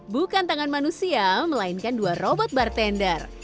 bukan tangan manusia melainkan dua robot bartender